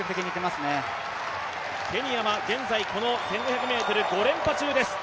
ケニアは現在この１５００ｍ、５連覇中です。